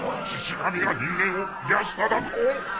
神が人間を癒やしただと！